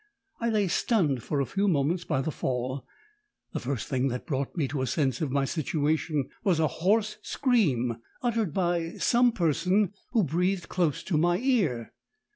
I lay stunned for a few moments by the fall; the first thing that brought me to a sense of my situation was a hoarse scream, uttered by some person who breathed close to my ear.